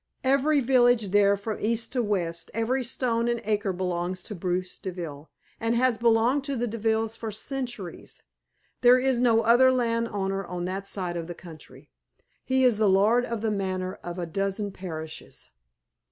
"Every village there from east to west, every stone and acre belongs to Bruce Deville, and has belonged to the Devilles for centuries. There is no other land owner on that side of the country. He is lord of the Manor of a dozen parishes!"